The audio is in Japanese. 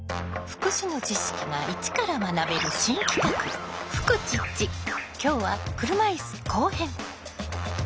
福祉の知識が一から学べる新企画今日は車いす後編。